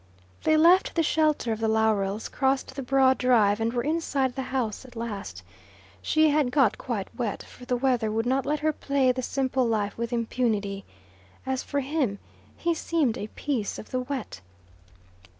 They left the shelter of the laurels, crossed the broad drive, and were inside the house at last. She had got quite wet, for the weather would not let her play the simple life with impunity. As for him, he seemed a piece of the wet.